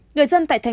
người dân tại tp hcm